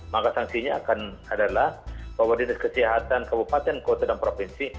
maka sanksinya akan adalah bahwa dinas kesehatan kabupaten kota dan provinsi